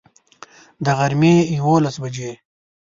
د غرمي یوولس بجي